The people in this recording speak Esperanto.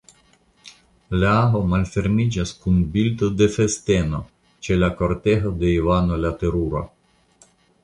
La ago malfermiĝas kun bildo de festeno ĉe la kortego de Ivano la Terura.